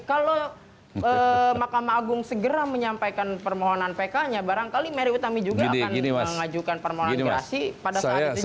kalau mahkamah agung segera menyampaikan permohonan pk nya barangkali mary utami juga akan mengajukan permohonan gerasi pada saat itu juga